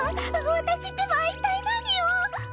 私ってば一体何を！？